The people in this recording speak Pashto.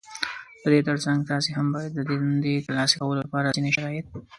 د دې تر څنګ تاسې هم بايد د دندې ترلاسه کولو لپاره ځينې شرايط